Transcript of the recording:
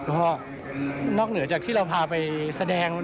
เพราะนอกเหนือจากที่เราพาไปแสดงแล้ว